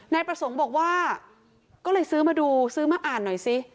นายประสงค์บอกว่าก็เลยซื้อมาดูซื้อมาอ่านหน่อยสิ